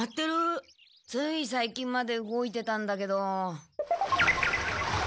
ついさいきんまで動いてたんだけど。